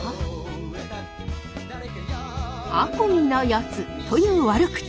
「あこぎなやつ」という悪口。